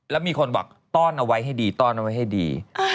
แล้วมีคนบอกต้อนเอาไว้ให้ดีต้อนเอาไว้ให้ดี